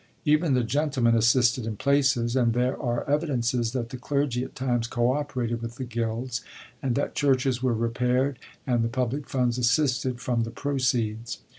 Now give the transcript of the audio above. Even the 'gentlemen* assisted in places, and there are evidences that the clergy at times co operated with the gilds, and that churches were repaird, and the public funds assisted, from the proceeds.